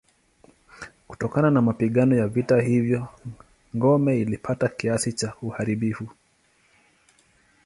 Kutokana na mapigano ya vita hivyo ngome ilipata kiasi cha uharibifu.